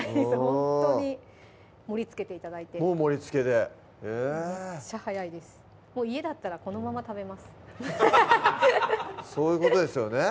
ほんとに盛りつけて頂いてもう盛りつけでめっちゃ早いですもう家だったらこのまま食べますそういうことですよね